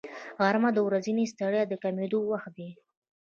غرمه د ورځنۍ ستړیا د کمېدو وخت دی